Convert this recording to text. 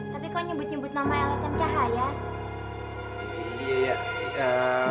tapi kok nyebut nyebut nama lsm cahaya